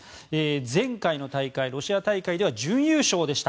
前回の大会、ロシア大会では準優勝でした。